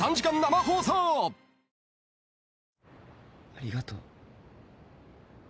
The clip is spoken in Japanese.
ありがとう。